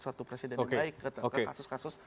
suatu presiden yang baik kasus kasus